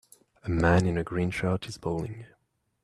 A man in a green shirt is bowling